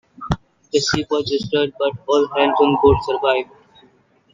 The ship was destroyed, but all hands on board survived.